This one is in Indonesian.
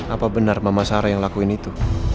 apa benar mama sarah yang lakuin itu